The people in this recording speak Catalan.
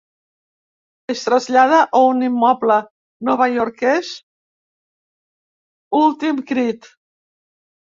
Es trasllada a un immoble novaiorquès últim crit.